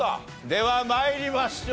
では参りましょう。